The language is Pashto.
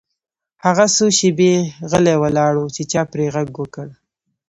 هغه څو شیبې غلی ولاړ و چې چا پرې غږ وکړ